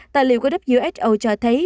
tài liệu của who cho thấy